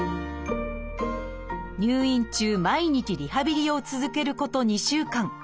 入院中毎日リハビリを続けること２週間。